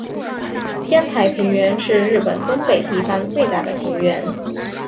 仙台平原是日本东北地方最大的平原。